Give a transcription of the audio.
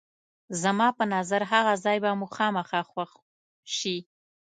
زما په نظر هغه ځای به مو خامخا خوښ شي.